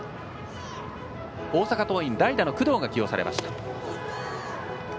大阪桐蔭は代打の工藤が起用されました。